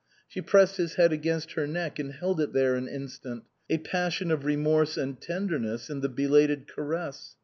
She pressed his head against her neck and held it there an instant, a passion of remorse and tenderness in the belated caress.